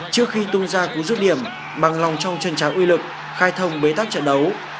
trước khi tung ra cú rứt điểm bằng lòng trong chân tráng uy lực khai thông bế tắc trận đấu